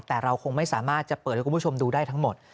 แต่เราคงไม่สามารถจะเปิดให้คุณผู้ชมดูได้ทั้งหมด